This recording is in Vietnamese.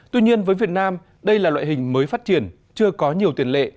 tuy nhiên với việt nam đây là loại hình mới phát triển chưa có nhiều tiền lệ